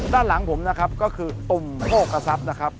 ด้านหลังผมนะครับก็คือตุ่มโภคกระทรัพย์นะครับ